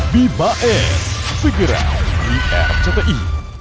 bibae figurant di rcti